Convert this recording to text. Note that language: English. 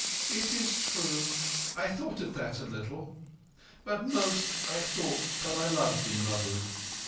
"It is true. I thought of that a little, but most I thought that I loved thee, Mahbub.